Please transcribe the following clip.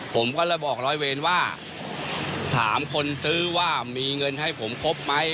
ผมก็เลยบอกร้อยเวรว่าถามคนซื้อว่ามีเงินให้ผมครบไหม